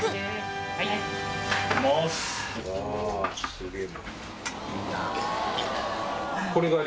すげえ